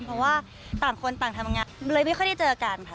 เพราะว่าต่างคนต่างทำงานเลยไม่ค่อยได้เจอกันค่ะ